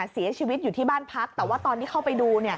เสียชีวิตอยู่ที่บ้านพักแต่ว่าตอนที่เข้าไปดู